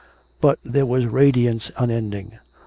But there was ra diance unending.